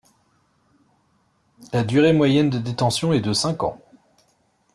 La durée moyenne de détention est de cinq ans.